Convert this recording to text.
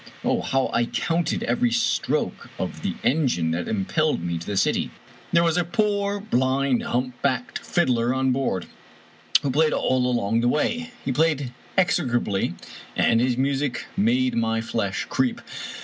Oh, how I counted every stroke of the engine that impelled me to the city ! There was a poor, blind, humpbacked fiddler on board, who played all along the way. He played execrably, and his music made my flesh creep.